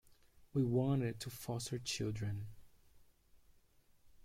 We wanted to foster children.